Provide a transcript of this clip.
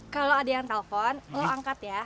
kalau ada yang telepon lo angkat ya